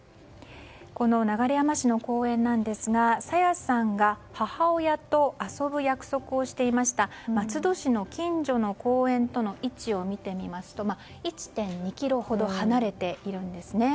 この流山市の公園ですが朝芽さんが母親と遊ぶ約束をしていました松戸市の近所の公園との位置を見てみますと１．２ｋｍほど離れているんです。